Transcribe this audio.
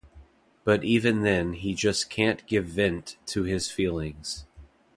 But even then he just can't give vent to his feelings.